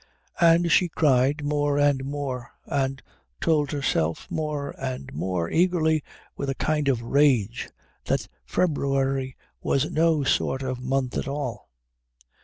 And she cried more and more, and told herself more and more eagerly, with a kind of rage, that February was no sort of month at all.